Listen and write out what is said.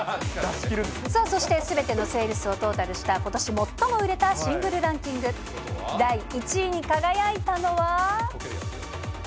そして、すべてのセールスをトータルした、ことし最も売れたシングルランキング第１位に輝いたのは。